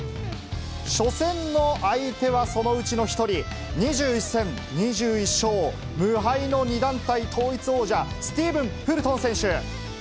初戦の相手はそのうちの１人、２１戦２１勝、無敗の２団体統一王者、スティーブン・フルトン選手。